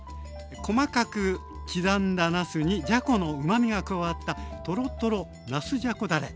細かく刻んだなすにじゃこのうまみが加わったトロトロなすじゃこだれ。